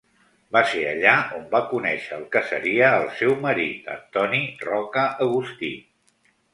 Va ser allà on va conèixer el que seria el seu marit, Antoni Roca Agustí.